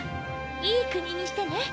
いい国にしてね。